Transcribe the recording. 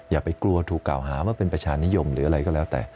อย่าไปกลัวถูกกล่าวหาว่าเป็นประชานิยมหรืออะไรก็แล้วแต่